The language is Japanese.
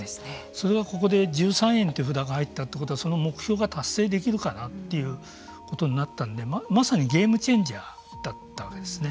それがここで１３円という札が入ったということはその目標が達成できるかなということになったのでまさにゲームチェンジャーだったわけですね。